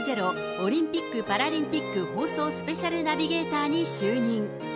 オリンピック・パラリンピック放送スペシャルナビゲーターに就任。